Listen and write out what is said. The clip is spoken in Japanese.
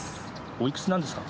おいくつなんですか？